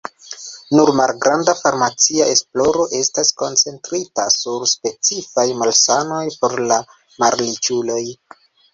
Nur malgranda farmacia esploro estas koncentrita sur specifaj malsanoj por la malriĉuloj.